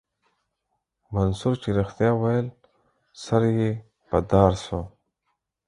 منصور چې رښتيا ويل سر يې په دار سو.